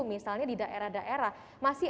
misalnya di daerah daerah masih